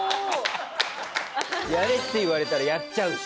「やれ」って言われたらやっちゃうし。